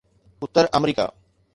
Uttar America